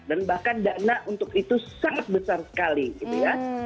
dan bahkan dana untuk itu sangat besar sekali gitu ya